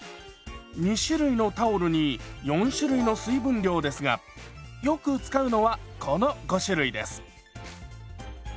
２種類のタオルに４種類の水分量ですがよく使うのはこの５種類です。